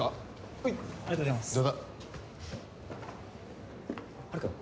はいありがとうございますどうぞハルくん？